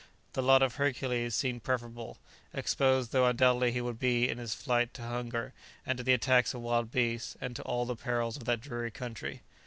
The lot of Hercules seemed preferable, exposed though undoubtedly he would be in his flight to hunger, and to the attacks of wild beasts, and to all the perils of that dreary country.